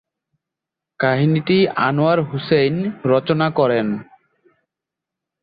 কাহিনীটি আনোয়ার হুসেইন রচনা করেন।